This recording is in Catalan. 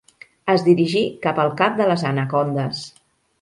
Es dirigí cap al cap de les anacondes.